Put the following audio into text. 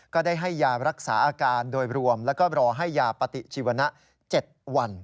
ก็ได้ให้ยารักษาอาการโดยรวมแล้วก็รอให้ยาปฏิชีวนะ๗วัน